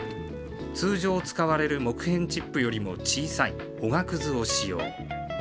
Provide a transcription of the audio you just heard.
通常使われる木片チップよりも小さいおがくずを使用。